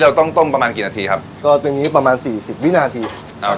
เราต้องต้มประมาณกี่นาทีครับก็ตรงนี้ประมาณสี่สิบวินาทีอ่า